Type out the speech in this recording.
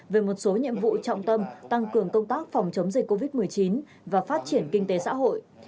về một số nhiệm vụ trọng tâm tăng cường công tác phòng chống dịch covid một mươi chín và phát triển kinh tế xã hội